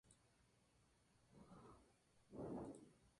Era uno de los investigadores del euskera más importantes y notables de Navarra.